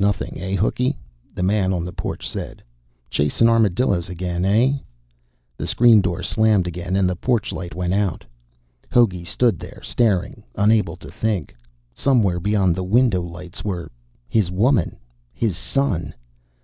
"Nothing, eh, Hooky?" the man on the porch said. "Chasin' armadillos again, eh?" The screen door slammed again, and the porch light went out. Hogey stood there staring, unable to think. Somewhere beyond the window lights were his woman, his son.